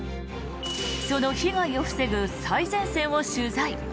その被害を防ぐ最前線を取材。